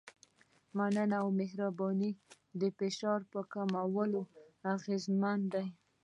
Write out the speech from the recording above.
مننه او مهرباني د فشار په کمولو اغېزمن دي.